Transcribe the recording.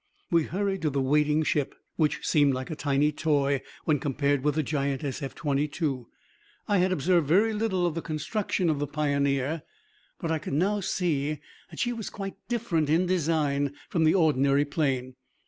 We hurried to the waiting ship, which seemed like a tiny toy when compared with the giant SF 22. I had observed very little of the construction of the Pioneer, but I could now see that she was quite different in design from the ordinary plane.